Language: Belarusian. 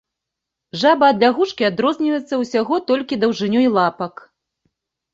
Жаба ад лягушкі адрозніваецца ўсяго толькі даўжынёй лапак.